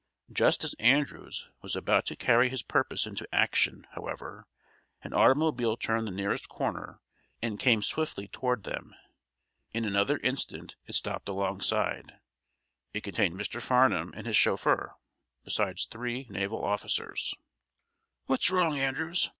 Just as Andrews was about to carry his purpose into action, however, an automobile turned the nearest corner and came swiftly toward them. In another instant it stopped alongside. It contained Mr. Farnum and his chauffeur, besides three naval officers. "What's wrong, Andrews?"